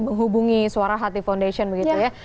menghubungi suara hati foundation begitu ya